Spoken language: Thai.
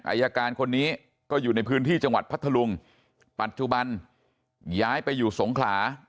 อายการคนนี้ก็อยู่ในพื้นที่จังหวัดพัทธลุงปัจจุบันย้ายไปอยู่สงขลา